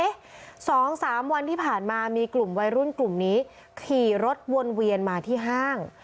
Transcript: ๒๓วันที่ผ่านมามีกลุ่มวัยรุ่นกลุ่มนี้ขี่รถวนเวียนมาที่ห้าง